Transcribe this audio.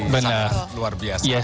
sangat luar biasa